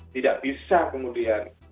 tidak bisa kemudian